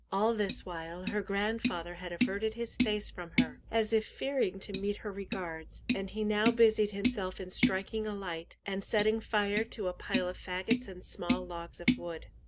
All this while, her grandfather had averted his face from her, as if fearing to meet her regards, and he now busied himself in striking a light and setting fire to a pile of fagots and small logs of wood.